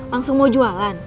langsung mau jualan